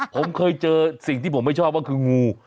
ผมเคยเจอสิ่งที่ผมไม่ชอบว่าคืองู